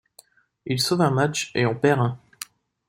Il sauve un match et en perd un.